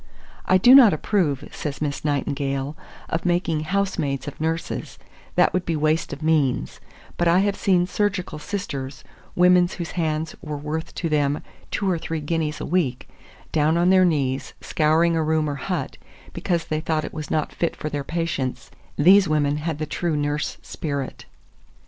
"I do not approve," says Miss Nightingale, "of making housemaids of nurses, that would be waste of means; but I have seen surgical sisters, women whose hands were worth to them two or three guineas a week, down on their knees, scouring a room or hut, because they thought it was not fit for their patients: these women had the true nurse spirit."